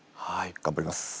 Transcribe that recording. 頑張ります。